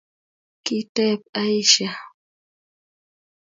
Kiteb Aisha